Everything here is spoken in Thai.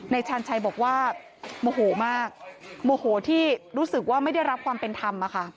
ชาญชัยบอกว่าโมโหมากโมโหที่รู้สึกว่าไม่ได้รับความเป็นธรรม